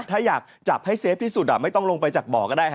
ถ้าอยากจับให้เซฟที่สุดไม่ต้องลงไปจากบ่อก็ได้